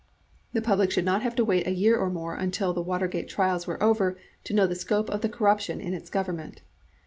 The public should not have to wait a year or more until the Watergate trials were over to know the scope of the corruption in its Government.